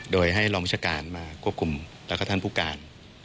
โดยให้รองวิชาการมาควบคุมแล้วก็ท่านผู้การ